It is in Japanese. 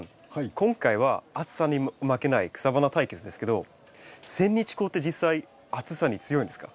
今回は暑さに負けない草花対決ですけどセンニチコウって実際暑さに強いんですか？